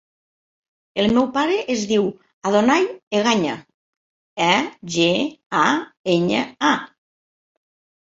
El meu pare es diu Adonay Egaña: e, ge, a, enya, a.